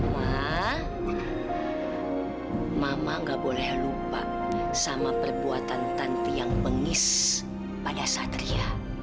mama gak boleh lupa sama perbuatan tanti yang bengis pada satria